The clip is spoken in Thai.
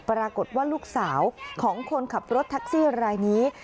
ปรากฏว่าลูกสาวของคนขับรถแท็กซี่รายนี้